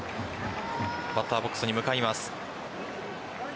バッターボックスに向かいます。